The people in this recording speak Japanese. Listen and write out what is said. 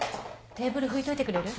テーブル拭いといてくれる？